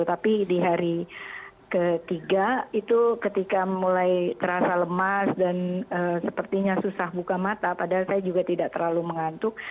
tapi di hari ketiga itu ketika mulai terasa lemas dan sepertinya susah buka mata padahal saya juga tidak terlalu mengantuk